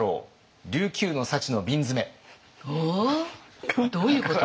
おお？どういうこと？